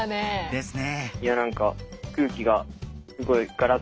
ですね。